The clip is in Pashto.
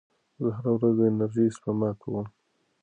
زه هره ورځ د انرژۍ سپما کوم.